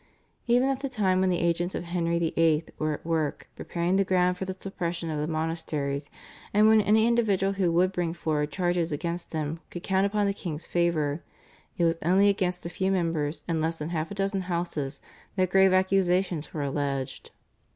Even at the time when the agents of Henry VIII. were at work preparing the ground for the suppression of the monasteries, and when any individual who would bring forward charges against them could count upon the king's favour, it was only against a few members in less than half a dozen houses that grave accusations were alleged.